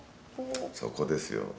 そこですよ。